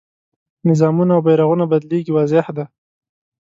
نظامونه او بیرغونه بدلېږي واضح ده.